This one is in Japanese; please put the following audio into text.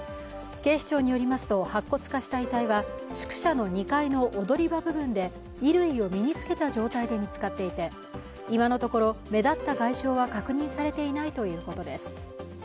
警視庁によりますと白骨化した遺体は宿舎の２階の踊り場部分で衣類を身につけた状態で見つかっていて今のところ、目立った外傷は確認されていないということです。